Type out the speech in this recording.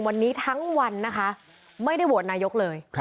วันนี้ทั้งวันนะคะไม่ได้โหวตนายกเลย